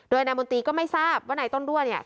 โดยนายมนตรีก็ไม่ทราบว่านายต้นรั่วเนี่ย